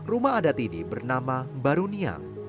rumah adat ini bernama barunia